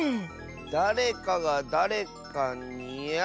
だれかがだれかにあ！